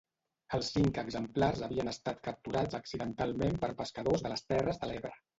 Els cinc exemplars havien estat capturats accidentalment per pescadors de les Terres de l'Ebre.